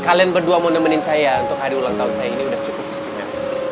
kalian berdua mau nemenin saya untuk hari ulang tahun saya ini udah cukup istimewa